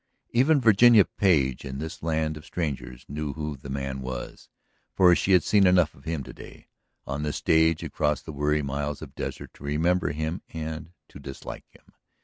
Even Virginia Page in this land of strangers knew who the man was. For she had seen enough of him to day, on the stage across the weary miles of desert, to remember him and to dislike him.